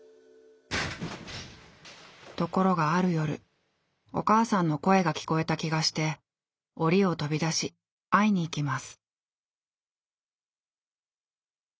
ところがある夜お母さんの声が聞こえた気がして檻を飛び出し会いに行きます。